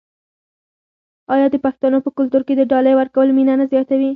آیا د پښتنو په کلتور کې د ډالۍ ورکول مینه نه زیاتوي؟